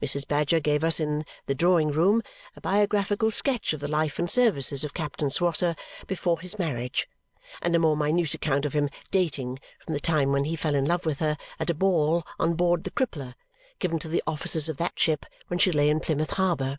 Mrs. Badger gave us in the drawing room a biographical sketch of the life and services of Captain Swosser before his marriage and a more minute account of him dating from the time when he fell in love with her at a ball on board the Crippler, given to the officers of that ship when she lay in Plymouth Harbour.